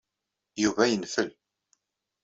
Yuba yenfel.